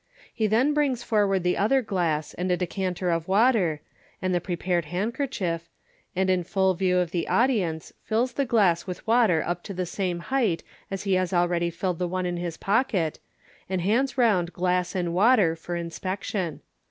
He then brings forward the other glass and a decanter of water, and the prepared handkerchief, and in full view of the audi ence fills the glass with water up to the same height as he has already filled the one in his pocket, and hands round glass and water for inspection.